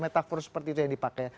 metafor seperti itu yang dipakai